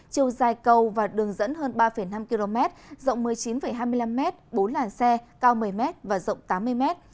chiều dài cầu và đường dẫn hơn ba năm km rộng một mươi chín hai mươi năm m bốn làn xe cao một mươi m và rộng tám mươi m